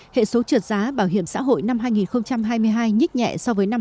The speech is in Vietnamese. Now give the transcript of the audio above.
hệ số trượt giá bảo hiểm xã hội năm hai nghìn hai mươi hai nhích nhẹ so với năm hai nghìn hai mươi ba